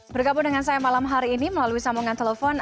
bergabung dengan saya malam hari ini melalui sambungan telepon